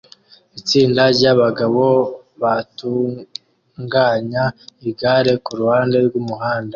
Itsinda ryabagabo batunganya igare kuruhande rwumuhanda